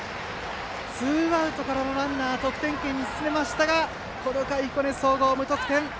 ツーアウトからのランナーが得点圏に進みましたがこの回、彦根総合、無得点。